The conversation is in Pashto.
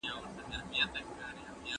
زه به سبا پلان جوړ کړم؟!